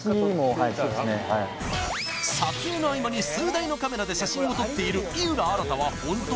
はい撮影の合間に数台のカメラで写真を撮っている井浦新はホント？